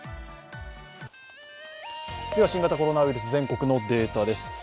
新型コロナウイルス、全国のデータです。